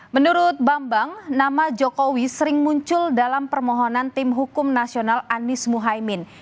menurut bambang nama jokowi sering muncul dalam permohonan tim hukum nasional anies mohaimin